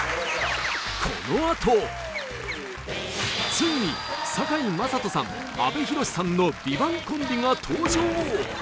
ついに堺雅人さん阿部寛さんのＶＩＶＡＮＴコンビが登場